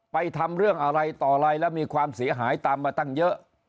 ทำเรื่องอะไรต่ออะไรแล้วมีความเสียหายตามมาตั้งเยอะ